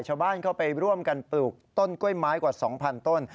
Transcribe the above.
ชาวบ้านเข้าไปร่วมกันปลูกต้นกล้วยไม้กว่า๒๐๐ต้น